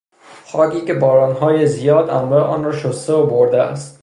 خاکی که بارانهای زیاد املاح آن را شسته و برده است